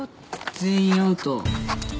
全員アウト。